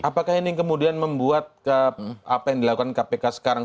apakah ini kemudian membuat apa yang dilakukan kpk sekarang